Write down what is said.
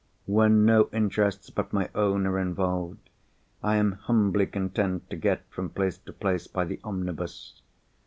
When no interests but my own are involved, I am humbly content to get from place to place by the omnibus.